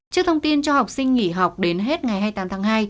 trước thông tin cho học sinh nghỉ học đến hết ngày hai mươi tám tháng hai